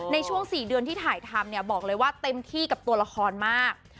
ในช่วง๔เดือนที่ถ่ายทำเนี่ยบอกเลยว่าเต็มที่กับตัวละครมาก